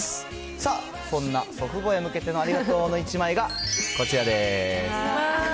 さあ、そんな祖父母へ向けてのありがとうの１枚がこちらです。